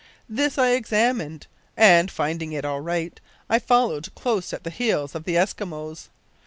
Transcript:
This I examined, and, finding it all right, I followed close at the heels of the Eskimos.